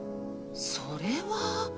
それは。